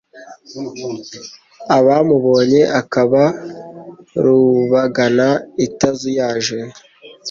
Abamubonye akaba Rubagana itazuyaje